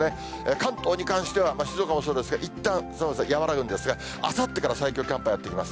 関東に関しては、静岡もそうですけど、いったん寒さ和らぐんですが、あさってから最強寒波やって来ます。